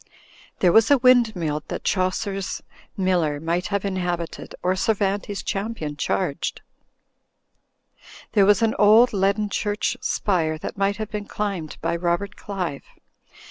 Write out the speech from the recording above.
There was a windmill that Chaucer's MU ler might have inhabited or Cervantes' champion charged. There was an old leaden church spire that might have been climbed by Robert Qive.